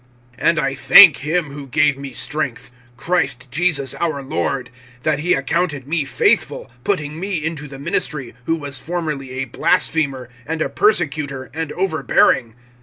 (12)And I thank him who gave me strength, Christ Jesus our Lord, that he accounted me faithful, putting me into the ministry, (13)who was formerly a blasphemer, and a persecutor, and overbearing.